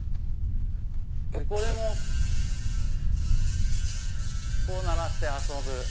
これもこう鳴らして遊ぶ。